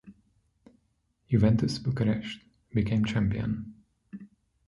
Juventus Bukarest became champion.